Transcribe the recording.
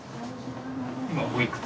今おいくつ？